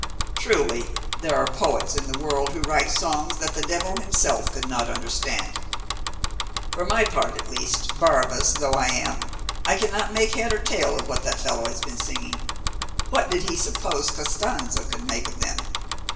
Truly, there are poets in the world who write songs that the devil himself could not understand; for my part, at least, Barrabas though I am, I cannot make head or tail of what this fellow has been singing. What did he suppose Costanza could make of them?